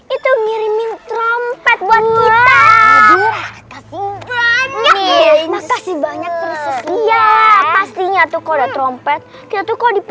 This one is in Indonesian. itu ngirimin trompet buat kita banyak banyak iya pastinya tuh kode trompet jatuh kau di